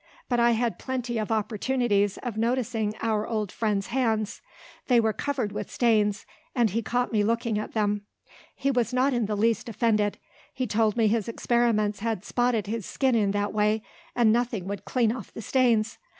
But I had plenty of opportunities of noticing our old friend's hands. They were covered with stains; and he caught me looking at them. He was not in the least offended; he told me his experiments had spotted his skin in that way, and nothing would clean off the stains.